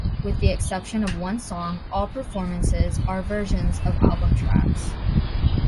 With the exception of one song, all performances are versions of album tracks.